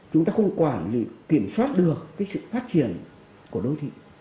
chúng ta không quản lý kiểm soát được cái sự phát triển của đô thị